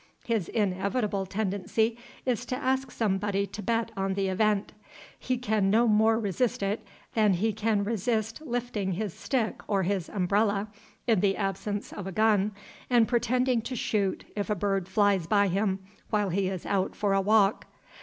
His inevitable tendency is to ask somebody to bet on the event. He can no more resist it than he can resist lifting his stick or his umbrella, in the absence of a gun, and pretending to shoot if a bird flies by him while he is out for a walk.)